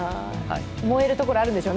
燃えるところ、あるんでしょうね